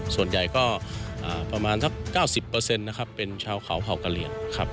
ส่วนใหญ่ก็ประมาณ๙๐เปอร์เซ็นต์นะครับเป็นชาวเขาเผากะเลียงครับ